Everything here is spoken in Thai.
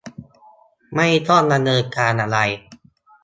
ไม่ต้องดำเนินการอะไร